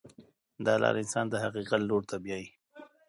دا لاره انسان د حقیقت لور ته بیایي.